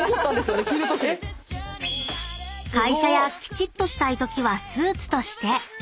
［会社やきちっとしたいときはスーツとして］